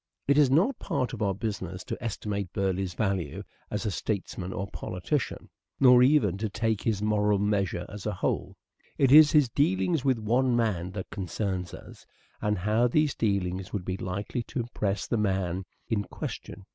It is no part of our business to estimate Burleigh's value as a statesman or politician, nor even to take his moral measure as a whole. It is his dealings with one man that concern us, and how these dealings would be likely to impress the man in question.